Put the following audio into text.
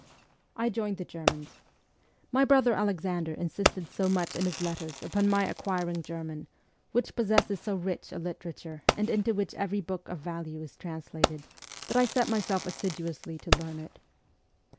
I joined the Germans. My brother Alexander insisted so much in his letters upon my acquiring German, which possesses so rich a literature and into which every book of value is translated, that I set myself assiduously to learn it.